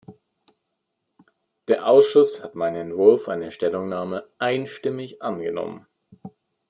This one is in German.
Der Ausschuss hat meinen Entwurf einer Stellungnahme einstimmig angenommen.